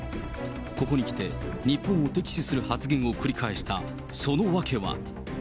ここに来て、日本を敵視する発言を繰り返した、その訳は。